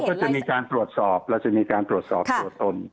ก็จะมีการตรวจสอบเราจะมีการตรวจสอบตัวตน